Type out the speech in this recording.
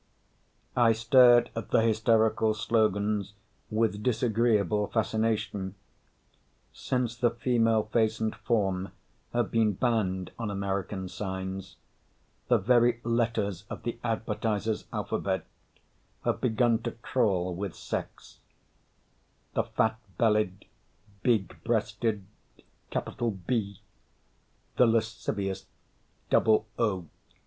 I stared at the hysterical slogans with disagreeable fascination. Since the female face and form have been banned on American signs, the very letters of the advertiser's alphabet have begun to crawl with sex the fat bellied, big breasted capital B, the lascivious double O.